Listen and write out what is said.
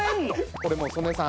これもう曽根さん